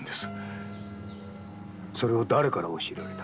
それを誰から教えられた？